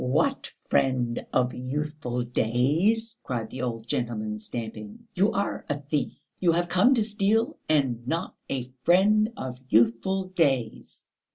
"What friend of youthful days?" cried the old gentleman, stamping. "You are a thief, you have come to steal ... and not a friend of youthful days."